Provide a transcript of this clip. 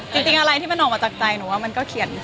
จริงอะไรที่มันออกมาจากใจหนูว่ามันก็เขียน